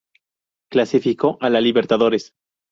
Clasificó a la libertadores.